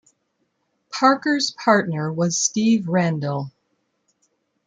Parker's partner was Steve Randell.